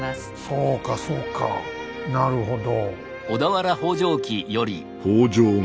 そうかそうかなるほど。